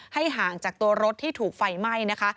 ห่างจากตัวรถที่ถูกไฟไหม้นะคะ